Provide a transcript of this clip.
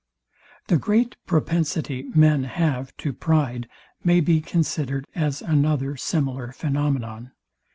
The great propensity men have to pride may be considered as another similar phænomenon.